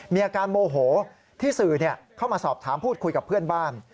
มีอาการโมโหที่สื่อเข้ามาสอบถามพูดคุยกับเพื่อนบ้าน